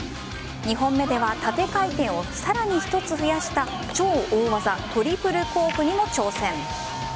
２本目では縦回転をさらに１つ増やした超大技トリプルコークにも挑戦。